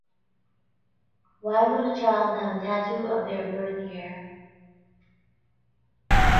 Why would a child have a tattoo of their birth year?